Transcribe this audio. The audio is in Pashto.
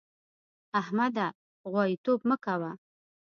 احمده! غواييتوب مه کوه.